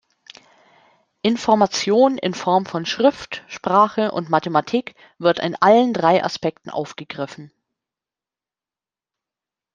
Information in Form von Schrift, Sprache und Mathematik wird in allen drei Aspekten aufgegriffen.